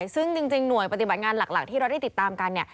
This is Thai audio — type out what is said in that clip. ซึ่งจริงหน่วยปฏิบัติงานหลักที่เราได้ติดตามกันเนี่ย